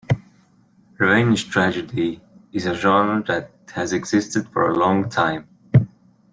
Revenge tragedy is a genre that has existed for a long time.